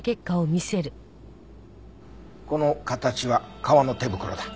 この形は革の手袋だ。